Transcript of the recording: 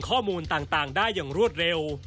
ข้อมูลต่างได้อย่างรวดเร็ว